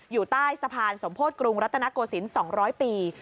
อยู่ใต้สะพานสมโพธิกรุงรัตนโกศิลป๒๐๐ปี